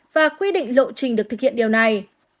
và quy định lộ trình được thực hiện điều này